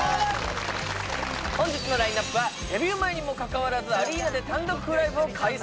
本日のラインナップはデビュー前にもかかわらずアリーナで単独ライブを開催